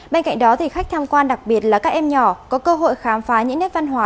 bên cạnh đó khách tham quan đặc biệt là các em nhỏ có cơ hội khám phá những nét văn hóa